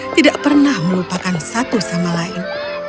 tidak pernah melupakan satu sama lain